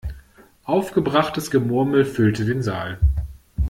Aufgebrachtes Gemurmel füllte den Saal.